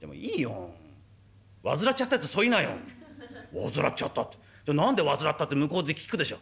「患っちゃったって何で患ったって向こうで聞くでしょ」。